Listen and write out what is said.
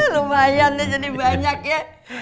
lumayan ya jadi banyak ya